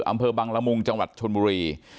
อำเภอบังละมุงจังหวัดชนบุรี